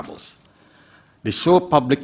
mereka menunjukkan kebosan publik